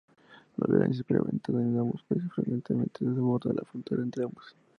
La violencia experimentada en ambos países frecuentemente desborda la frontera entre ambos.